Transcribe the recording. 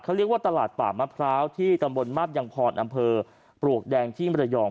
เขาเรียกว่าตลาดป่ามะพร้าวที่ตำบลมาบยังพรอำเภอปลวกแดงที่มรยอง